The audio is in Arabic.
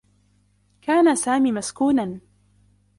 كان سامي مسكونا.